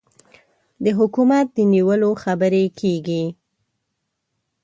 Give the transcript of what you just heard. د حکومت د نیولو خبرې کېږي.